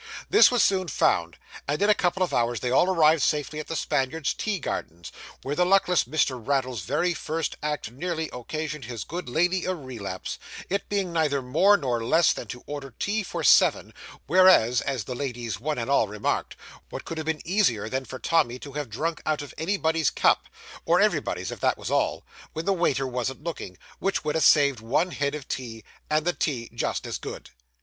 This was soon found, and in a couple of hours they all arrived safely in the Spaniards Tea gardens, where the luckless Mr. Raddle's very first act nearly occasioned his good lady a relapse; it being neither more nor less than to order tea for seven, whereas (as the ladies one and all remarked), what could have been easier than for Tommy to have drank out of anybody's cup or everybody's, if that was all when the waiter wasn't looking, which would have saved one head of tea, and the tea just as good!